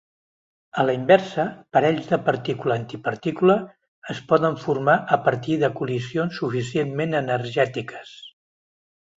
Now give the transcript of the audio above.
A la inversa, parells de partícula-antipartícula es poden formar a partir de col·lisions suficientment energètiques.